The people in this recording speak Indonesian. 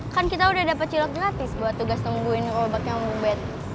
kan kita udah dapet cilok gratis buat tugas temuin robot yang ubed